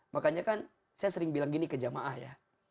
makanya kan saya sering bilang gini ke jamaah ya